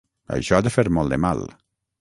Això ha de fer molt de mal.